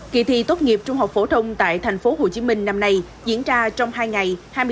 kỳ thi tốt nghiệp trung học phổ thông tại thành phố hồ chí minh năm nay diễn ra trong hai ngày